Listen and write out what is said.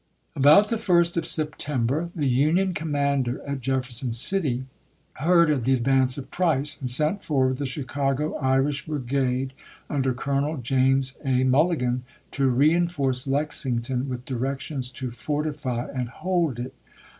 About the 1st of Septem isgi. ber the Union commander at Jefferson City heard of the advance of Price, and sent forward the Chi cago Irish Brigade under Colonel James A. Mulli gan to reenforce Lexington, with dkections to fortify and hold it.